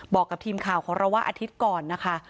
บอกกับทีมข่าวของเราว่าอาทิตย์ก่อนนะคะ